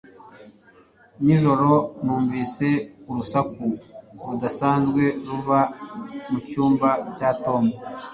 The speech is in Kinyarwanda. Nijoro numvise urusaku rudasanzwe ruva mucyumba cya Tom.